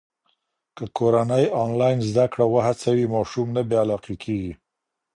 که کورنۍ انلاین زده کړه وهڅوي، ماشوم نه بې علاقې کېږي.